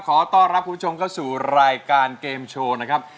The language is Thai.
ขอต้อนรับคุณผู้ชมเข้าสู่รายการเกมโชว์นะครับ